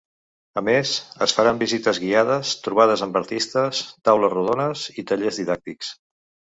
A més, es faran, visites guiades, trobades amb artistes, taules rodones i tallers didàctics.